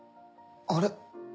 あれ？